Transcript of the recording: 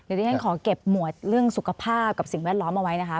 เดี๋ยวที่ฉันขอเก็บหมวดเรื่องสุขภาพกับสิ่งแวดล้อมเอาไว้นะคะ